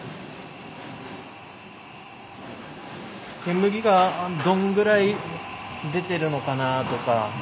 煙がどんぐらい出てるのかなとか